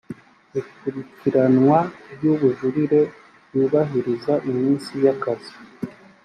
ikurikiranwa ryubujurire ryubahiriza iminsi yakazi .